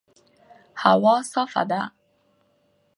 هوا صافه ده